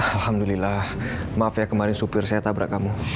alhamdulillah maaf ya kemarin supir saya tabrak kamu